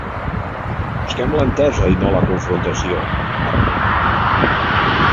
“Busquem l’entesa i no la confrontació”, ha reclamat.